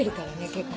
結構。